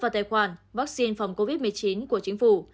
và tài khoản vaccine phòng covid một mươi chín của chính phủ